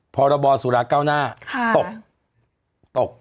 พรบสุราเก้าหน้าตกตก